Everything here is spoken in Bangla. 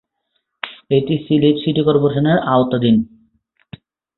এটি সিলেট সিটি কর্পোরেশনের আওতাধীন।